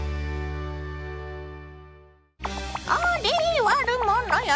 あれ悪者よ。